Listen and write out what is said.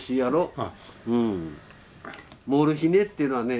モルヒネっていうのはね